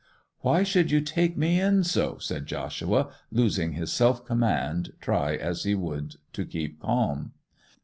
'Why should you take me in so!' said Joshua, losing his self command, try as he would to keep calm.